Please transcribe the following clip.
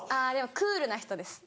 クールな人です。